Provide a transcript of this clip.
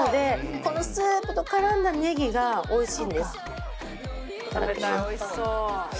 このスープと絡んだネギがおいしいんです。